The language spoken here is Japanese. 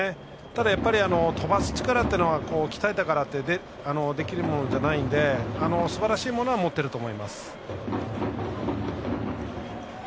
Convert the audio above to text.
ただ、やっぱり飛ばす力は鍛えたからといってできるものじゃないのですばらしいものは持っていると思います。